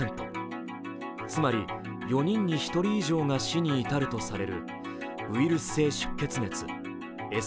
つまり４人に１人以上が死に至るとされるウイルス性出血熱